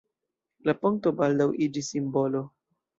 La ponto baldaŭ iĝis simbolo.